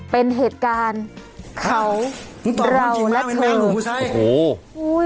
เป็นเหตุการณ์เขาเราและคุณ